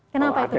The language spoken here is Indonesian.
kenapa itu pak